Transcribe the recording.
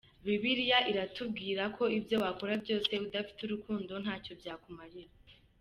Bibiliya itubwira ko ibyo wakora byose udafite urukundo, nta cyo byakumarira.